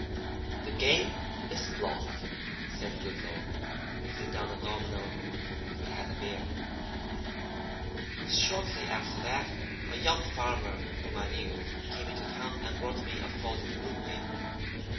"The game is blocked," said Goodloe, putting down a domino; and we had the beer. Shortly after that a young farmer whom I knew came into town and brought me a folded blue paper.